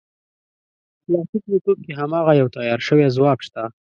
په کلاسیک میتود کې هماغه یو تیار شوی ځواب شته.